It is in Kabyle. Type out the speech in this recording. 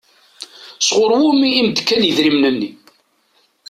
Sɣur wumi i m-d-kan idrimen-nni?